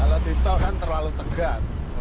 kalau di tol kan terlalu tegang